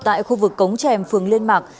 tại khu vực cống trèm phường liên mạc